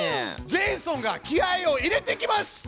ジェイソンが気合いを入れてきます！